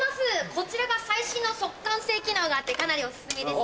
こちらが最新の速乾性機能があってかなりオススメです。